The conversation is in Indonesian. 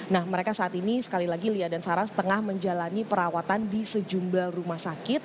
nah mereka saat ini sekali lagi lia dan sarah tengah menjalani perawatan di sejumlah rumah sakit